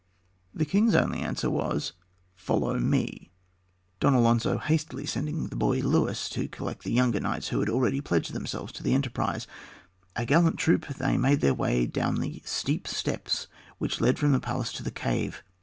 The king's only answer was, "Follow me," Don Alonzo hastily sending the boy Luis to collect the younger knights who had already pledged themselves to the enterprise. A gallant troop, they made their way down the steep steps which led from the palace to the cave.